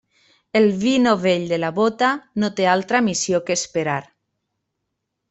El vi novell de la bóta no té altra missió que esperar.